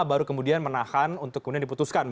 baru kemudian menahan untuk kemudian diputuskan